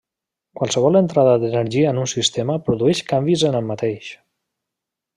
Qualsevol entrada d'energia en un sistema produeix canvis en el mateix.